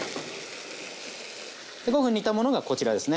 ５分煮たものがこちらですね。